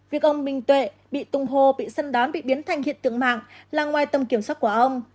việc ông minh tuệ bị tung hô bị săn đón bị biến thành hiện tượng mạng là ngoài tầm kiểm soát của ông